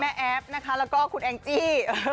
แม่แอฟแล้วก็คุณแองจี้